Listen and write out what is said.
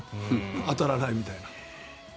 当たらないみたいな。